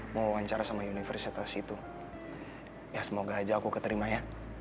mau wawancara sama universitas itu ya semoga aja aku keterima ya